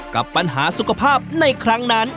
กับปัญหาสุขภาพในครั้งนั้น